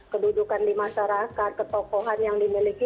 kedudukan di masyarakat ketokohan yang dimiliki